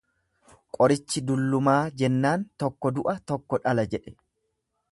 Qorichi dullumaa jennaan tokko du'a tokko dhala jedhe.